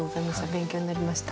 勉強になりました。